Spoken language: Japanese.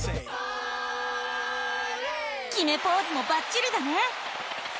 きめポーズもバッチリだね！